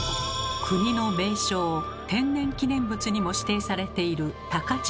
国の名勝天然記念物にも指定されている高千穂峡。